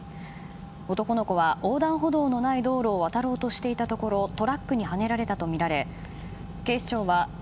男の子は横断歩道のない道路を渡ろうとしていたところトラックにはねられたとみられミストの日焼け止めと出掛けよう。